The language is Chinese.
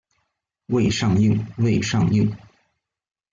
未上映未上映